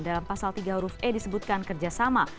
dalam pasal tiga huruf e disebutkan kerjasama